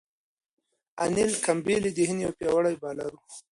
انیل کمبلې د هند یو پياوړی بالر وو.